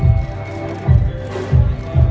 สโลแมคริปราบาล